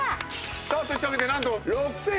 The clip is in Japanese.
さあといったわけでなんと６４８０円になります！